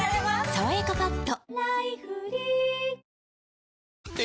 「さわやかパッド」